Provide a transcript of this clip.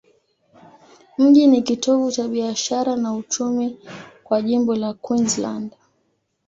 Mji ni kitovu cha biashara na uchumi kwa jimbo la Queensland.